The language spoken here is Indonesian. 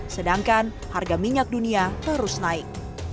sedangkan harga minyak dunia terus naik